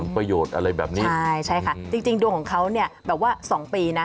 ประโยชน์อะไรแบบนี้ใช่ใช่ค่ะจริงดวงของเขาเนี่ยแบบว่า๒ปีนะ